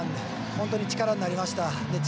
本当に力になりました。